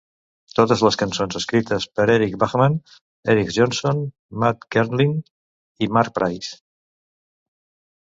Totes les cançons escrites per Eric Bachmann, Eric Johnson, Matt Gentling i Mark Price.